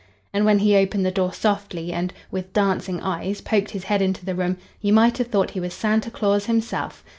And when he opened the door softly and, with dancing eyes, poked his head into the room, you might have thought he was Santa Claus himself.